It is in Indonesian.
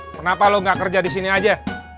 kenapa lo gak kerja disini aja